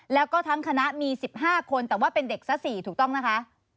แล้วก็ทั้งคณะมี๑๕คนแต่ว่าเป็นเด็กซะ๔ถูกต้องนะคะ